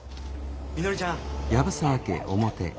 みのりちゃん。